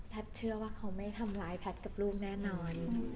เชื่อว่าเขาไม่ทำร้ายแพทย์กับลูกแน่นอน